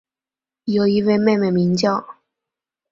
有一位妹妹名叫。